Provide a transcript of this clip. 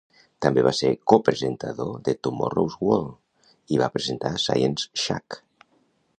També va ser copresentador de "Tomorrow's World", i va presentar "Science Shack".